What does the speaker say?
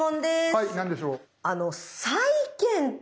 はい何でしょう？